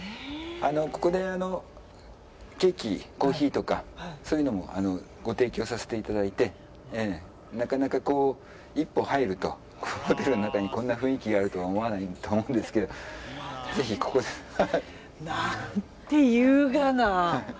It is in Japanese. ここでケーキ、コーヒーとかそういうのもご提供させていただいてなかなか一歩入るとホテルの中にこんな雰囲気があるとは思わないと思うんですけど何て優雅な。